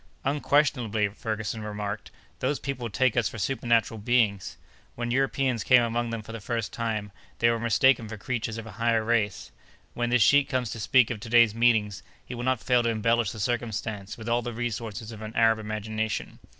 "Unquestionably," Ferguson remarked, "those people take us for supernatural beings. When Europeans came among them for the first time, they were mistaken for creatures of a higher race. When this sheik comes to speak of to day's meeting, he will not fail to embellish the circumstance with all the resources of an Arab imagination.